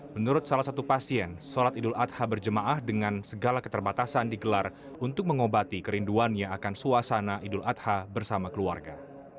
menurut salah satu pasien sholat idul adha berjemaah dengan segala keterbatasan digelar untuk mengobati kerinduannya akan suasana idul adha bersama keluarga